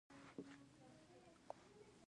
کلي د دوامداره پرمختګ لپاره اړین بلل کېږي.